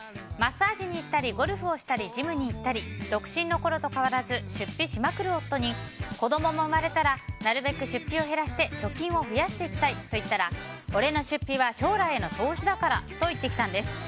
マッサージに行ったりゴルフをしたりジムに行ったり独身のころと変わらず出費しまくる夫に子供も生まれたらなるべく出費を減らして貯金を増やしていきたいと言ったら俺の出費は将来への投資だからと言ってきたんです。